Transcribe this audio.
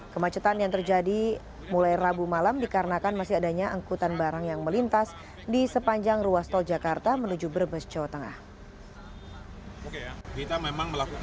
kemacetan yang terjadi mulai rabu malam dikarenakan masih adanya angkutan barang yang melintas di sepanjang ruas tol jakarta menuju brebes jawa tengah